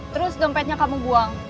terus dompetnya kamu buang